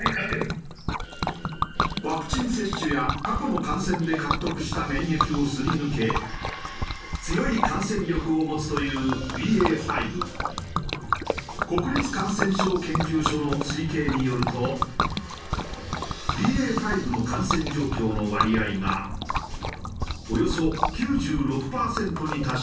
ワクチン接種や過去の感染で獲得した免疫をすり抜け強い感染力を持つというＢＡ．５。国立感染症研究所の推計によるとＢＡ．５の感染状況の割合がおよそ９６パーセントに達したという。